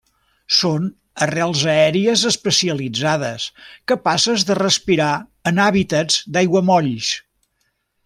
Són arrels aèries especialitzades capaces de respirar en hàbitats d'aiguamolls.